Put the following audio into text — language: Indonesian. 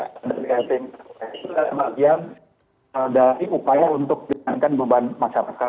itu adalah bagian dari upaya untuk ringankan beban masyarakat